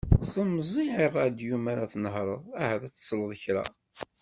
Semẓi i radyu mi ara tnehreḍ, ahat ad tesleḍ i kra.